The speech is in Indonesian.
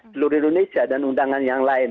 seluruh indonesia dan undangan yang lain